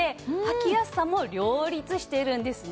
きやすさも両立してるんですね。